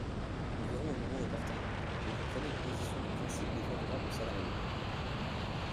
Nous verrons au moment opportun, mais vous prenez une position de principe défavorable aux salariés.